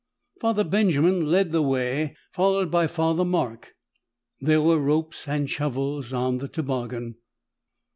Father Benjamin led the way, followed by Father Mark. There were ropes and shovels on the toboggan.